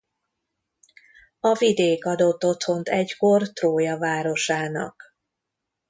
A vidék adott otthont egykor Trója városának.